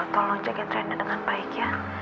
tolong jagain rena dengan baik ya